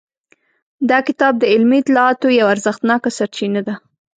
دا کتاب د علمي اطلاعاتو یوه ارزښتناکه سرچینه ده.